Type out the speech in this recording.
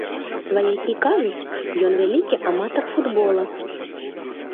Сваякі кажуць, ён вялікі аматар футбола.